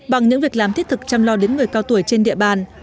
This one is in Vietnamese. bằng những việc làm thiết thực chăm lo đến người cao tuổi trên địa bàn